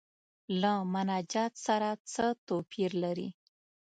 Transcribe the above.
له مناجات سره څه توپیر لري.